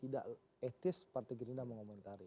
dan etis partai gerinda mengomentari